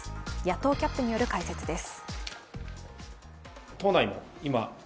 野党キャップによる解説です。